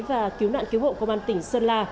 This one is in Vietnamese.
và cứu nạn cứu hộ công an tỉnh sơn la